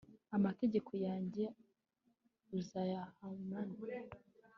amategeko yanjye uzayahamane